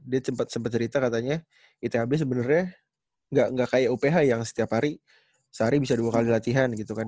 dia sempat cerita katanya ithb sebenarnya nggak kayak uph yang setiap hari sehari bisa dua kali latihan gitu kan